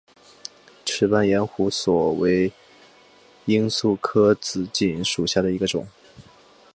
齿瓣延胡索为罂粟科紫堇属下的一个种。